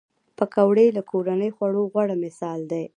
پکورې له کورني خوړو غوره مثال دی